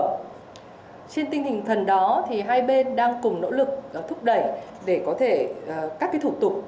trên tinh thần đó thì hai bên đang cùng nỗ lực thúc đẩy để có thể các thủ tục